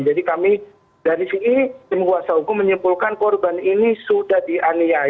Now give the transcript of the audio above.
jadi kami dari sini tim kuasa hukum menyimpulkan korban ini sudah dianiayaan